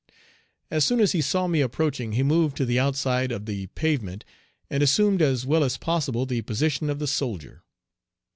As soon as he saw me approaching he moved to the outside of the pavement and assumed as well as possible the position of the soldier.